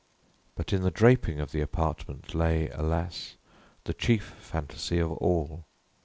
But in the draping of the apartment lay, alas! the chief phantasy of all.